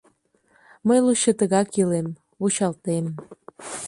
Мый лучо тыгак илем, вучалтем.